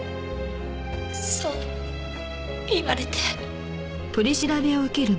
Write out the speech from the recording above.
そう言われて。